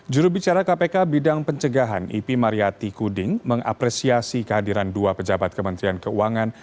juru bicara kpk bidang pencegahan ipi mariatty kuding mengapresiasi kehadiran dua pejabat kementerian keuangan